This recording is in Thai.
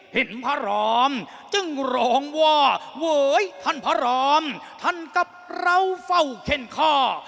พระรอมจึงร้องว่าโหยท่านพระรามท่านกับเราเฝ้าเข็นข้อ